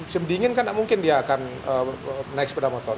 semdingin kan tidak mungkin dia akan naik sepeda motor